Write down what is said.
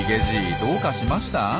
じいどうかしました？